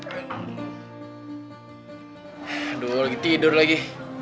aduh lagi tidur lagi